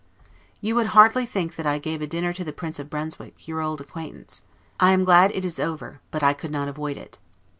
You would hardly think that I gave a dinner to the Prince of Brunswick, your old acquaintance. I glad it is over; but I could not avoid it.